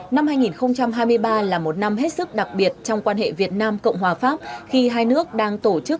năm hai nghìn hai mươi ba là một năm hết sức đặc biệt trong quan hệ việt nam cộng hòa pháp khi hai nước đang tổ chức